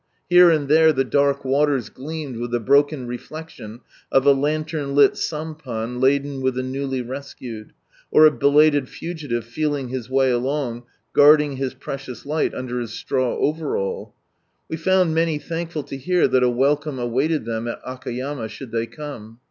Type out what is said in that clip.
Here and there the dark waters gleamed with the broken reflection of a lantern lit sampan laden with the newly rescued, or a belated fugitive feeling his way along, guarding his precious light under his straw overall. We found many thankful to hear that a welcome awaited them at Akayama, should they come.